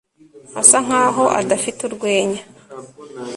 asa nkaho adafite urwenya